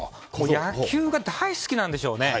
野球が大好きなんでしょうね。